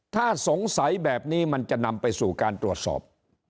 ถ้าสงสัยแบบนี้มันจะนำไปสู่การตรวจสอบ